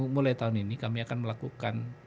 mulai tahun ini kami akan melakukan